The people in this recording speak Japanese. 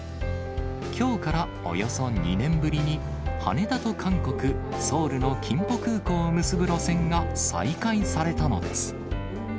きょうからおよそ２年ぶりに、羽田と韓国・ソウルのキンポ空港を結ぶ路線が再開されたのです。